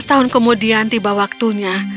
lima belas tahun kemudian tiba waktunya